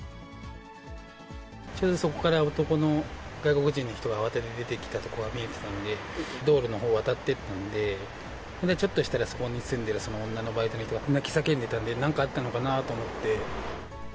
ちょうどそこから男の外国人の人が慌てて出てきたところは見えてたので、道路のほうを渡ってったんで、それでちょっとしたら、そこに住んでる女のバイトの人、泣き叫んでたんで、なんかあったのかなと思って。